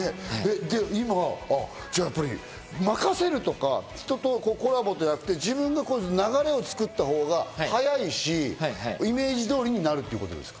今、任せるとか、人とコラボでやって、自分が流れを作ったほうが早いし、イメージ通りになるってことですか？